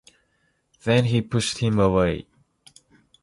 Then he pushed him away.